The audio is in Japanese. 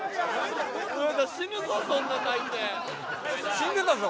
死んでたぞ